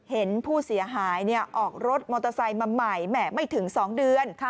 เห็นผู้เสียหายออกรถมอเตอร์ไซค์มาใหม่แหมไม่ถึง๒เดือน